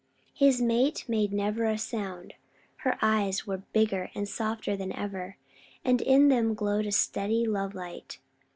His mate made never a sound. Her eyes were bigger and softer than ever, and in them glowed a steady lovelight.